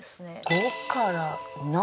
５から７。